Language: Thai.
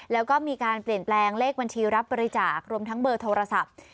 แล้วก็มีการเปลี่ยนแปลงเลขบัญชีรับบริจาครวมทั้งเบอร์โทรศัพท์